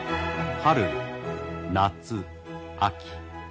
春夏秋。